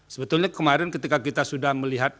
sebetulnya kemarin ketika kita sudah melihat